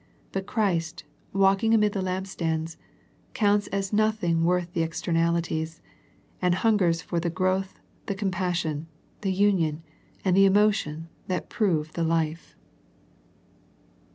But Christ, walking amid the lampstands, counts as nothing worth the externalities, and hungers for the growth, the compassion, the union, and the emotion that prove the life.